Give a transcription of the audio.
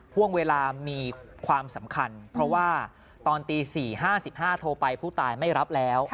ห่วงเวลามีความสำคัญเพราะว่าตอนตี๔๕๕โทรไปผู้ตายไม่รับแล้ว